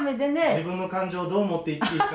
自分の感情をどう持っていっていいか。